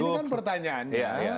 nah ini kan pertanyaannya